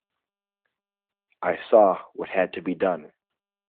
I saw what had to be done.